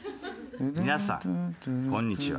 皆さんこんにちは。